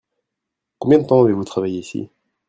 Combien de temps avez-vous travaillé ici ?